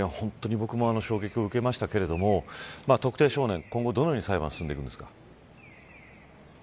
僕も衝撃を受けましたが特定少年、今後どのように裁判が進んでいくんですか。